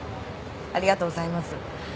ありがとうございます。